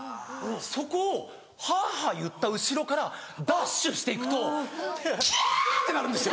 そこをはぁはぁ言った後ろからダッシュして行くときゃ！ってなるんですよ。